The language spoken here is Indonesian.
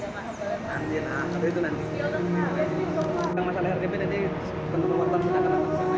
nanti lah habis itu nanti